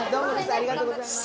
ありがとうございます。